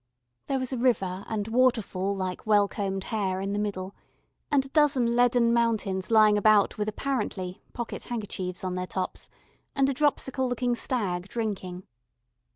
There was a river and waterfall like well combed hair in the middle, and a dozen leaden mountains lying about with apparently pocket handkerchiefs on their tops, and a dropsical looking stag drinking.